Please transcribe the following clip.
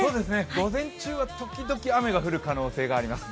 午前中は時々雨が降る可能性があります。